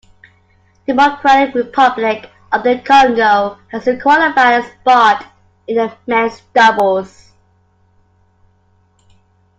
Democratic Republic of the Congo has qualified a spot in the men's doubles.